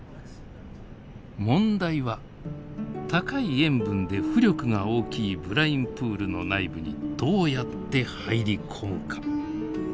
問題は高い塩分で浮力が大きいブラインプールの内部にどうやって入り込むか。